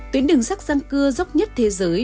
tuyến đường sắt gian cưa dốc nhất thế giới